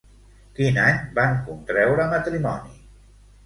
Quin any van contreure matrimoni?